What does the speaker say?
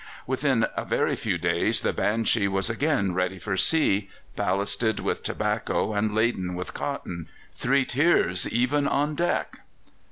Within a very few days the Banshee was again ready for sea, ballasted with tobacco and laden with cotton three tiers even on deck!